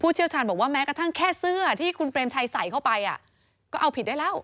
เชี่ยวชาญบอกว่าแม้กระทั่งแค่เสื้อที่คุณเปรมชัยใส่เข้าไปก็เอาผิดได้แล้ว